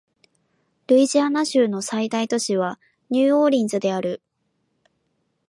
ルイジアナ州の最大都市はニューオーリンズである